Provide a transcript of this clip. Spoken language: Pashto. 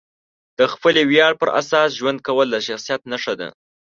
د خپلې ویاړ پر اساس ژوند کول د شخصیت نښه ده.